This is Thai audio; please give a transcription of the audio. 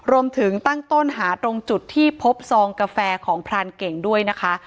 รวมถึงตั้งต้นหาตรงจุดที่พบซองกาแฟของพรานเก่งด้วยนะคะ